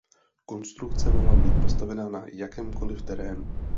Konstrukce mohla být postavena na jakémkoliv terénu.